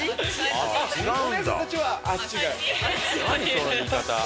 その言い方。